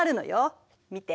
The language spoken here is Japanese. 見て。